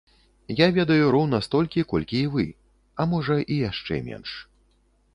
Я ведаю роўна столькі, колькі і вы, а можа, і яшчэ менш.